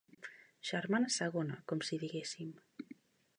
Germana segona, com si diguéssim.